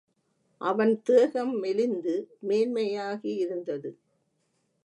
அவன் தேகம் மெலிந்து மேன்மையாகியிருந்தது.